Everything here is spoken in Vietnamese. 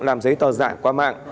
làm giấy tờ giả qua mạng